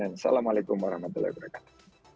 assalamualaikum warahmatullahi wabarakatuh